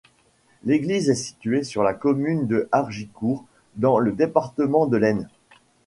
L'église est située sur la commune de Hargicourt, dans le département de l'Aisne.